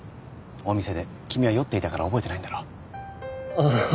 お店で君は酔っていたから覚えてないんだろああ